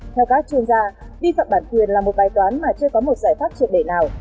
theo các chuyên gia vi phạm bản quyền là một bài toán mà chưa có một giải pháp triệt để nào